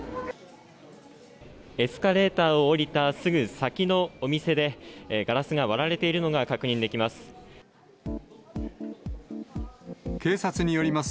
エスカレーターを降りたすぐ先のお店で、ガラスが割られているのが確認できます。